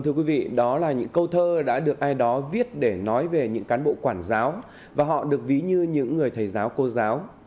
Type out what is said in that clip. thưa quý vị đó là những câu thơ đã được ai đó viết để nói về những cán bộ quản giáo và họ được ví như những người thầy giáo cô giáo